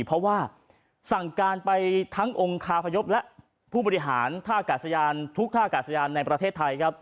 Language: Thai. เพราะว่าสั่งการไปทั้งองค์คาพยพและผู้บริหารท่ากาศยานทุกท่ากาศยานในประเทศไทยครับ